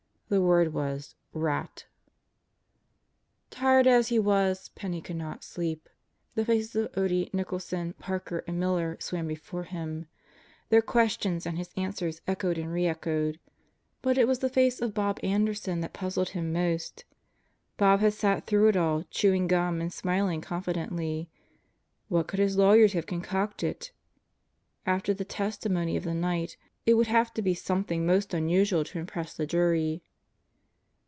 The word was "Rat!" Tired as he was, Penney could not sleep. The faces of Otte, Nicholson, Park, and Miller swam before him. Their questions and his own answers echoed and re echoed. But it was the face of Bob Anderson that puzzled him most. Bob had sat through it all, chewing gum and smiling confidently. What could his lawyers have concocted? After the testimony of the night it would have to be something most unusual to impress the jury.